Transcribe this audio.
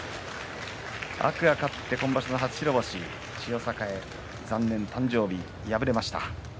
天空海、勝って今場所初白星千代栄、残念誕生日に敗れました。